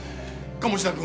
鴨志田君！